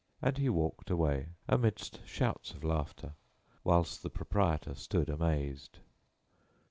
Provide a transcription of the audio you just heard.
And he walked away, amidst shouts of laughter, whilst the proprietor stood amazed.